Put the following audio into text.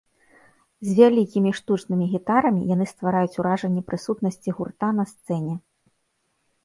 З вялікімі штучнымі гітарамі яны ствараюць уражанне прысутнасці гурта на сцэне.